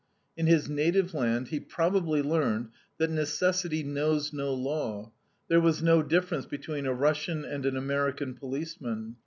In his native land he probably learned that necessity knows no law there was no difference between a Russian and an American policeman.